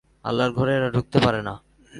আল্লাহর ঘরে এরা ঢুকতে পারে না।